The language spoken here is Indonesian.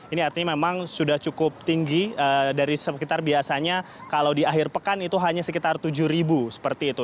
ini artinya memang sudah cukup tinggi dari sekitar biasanya kalau di akhir pekan itu hanya sekitar tujuh ribu seperti itu